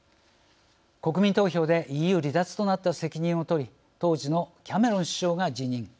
国民投票でＥＵ離脱となった責任を取り当時のキャメロン首相が辞任。